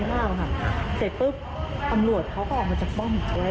เสร็จปุ๊บอำรวจเขาก็ออกมาจากบ้องเห็นไหม